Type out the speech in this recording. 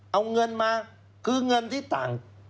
เอาเงินมาคือเงินที่ต่าง